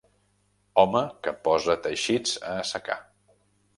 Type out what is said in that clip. Home que posa teixits a assecar.